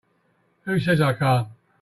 Who says I can't?